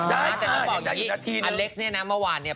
แต่ต้องบอกอย่างนี้อเล็กเนี่ยนะเมื่อวานเนี่ย